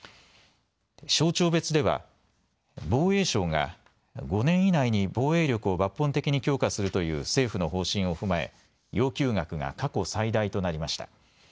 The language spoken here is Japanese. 省庁別では防衛省が５年以内に防衛力を抜本的に強化するという政府の方針を踏まえ要求額が過去最大となりました。